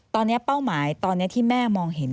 ตอนนี้เป้าหมายตอนนี้ที่แม่มองเห็น